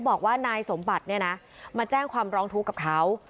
บอกว่านายสมบัติเนี่ยนะมาแจ้งความร้องทุกข์กับเขา